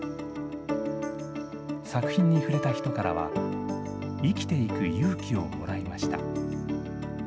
作品に触れた人からは、生きていく勇気をもらいました。